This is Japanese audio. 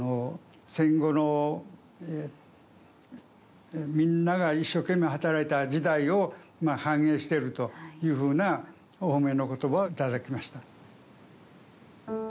戦後のみんなが一生懸命働いた時代を反映してるというふうなお褒めの言葉を頂きました。